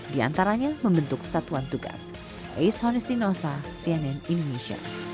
diantaranya membentuk satuan tugas